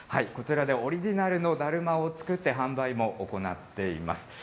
こちらではオリジナルのだるまを作って販売も行っています。